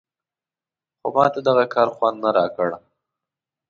خو ماته دغه کار خوند نه راکړ.